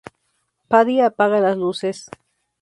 Paddy apaga las luces.